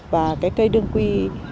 và cái cây đường quy